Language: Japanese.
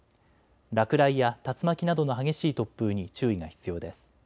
落雷や竜巻などの激しい突風に注意が必要です。